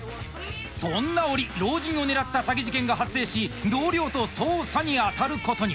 そんな折老人を狙った詐欺事件が発生し同僚と捜査に当たることに。